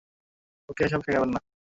ওকে এসব শেখাবেন না!